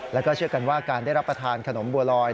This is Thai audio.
แล้วก็เชื่อกันว่าการได้รับประทานขนมบัวลอย